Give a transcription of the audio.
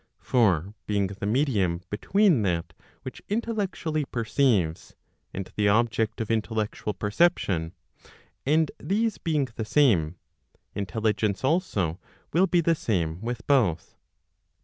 For being the medium between that which intellectually perceives, and the object of intellectual perception, and these being the same, intelligence also will be the same with both.